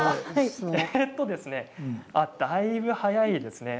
だいぶ速いですね。